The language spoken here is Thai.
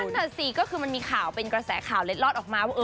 น่ะสิก็คือมันมีข่าวเป็นกระแสข่าวเล็ดลอดออกมาว่า